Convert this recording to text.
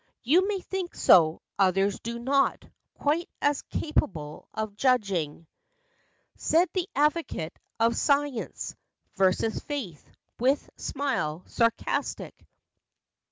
"You may think so. Others do not, Quite as capable of judging," FACTS AND FANCIES. 37 Said the advocate of science Versus faith, with smile sarcastic.